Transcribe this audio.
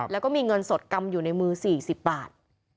แล้วก็มีเงินสดกำอยู่ในมือ๔๐บาท